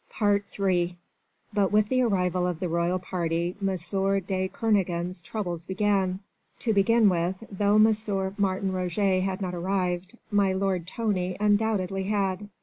III But with the arrival of the royal party M. de Kernogan's troubles began. To begin with, though M. Martin Roget had not arrived, my lord Tony undoubtedly had.